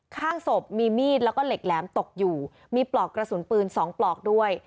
ข้างศพมีมีดแล้วก็เหล็กแหลมตกอยู่มีปลอกกระสุนปืน๒ปลอกด้วย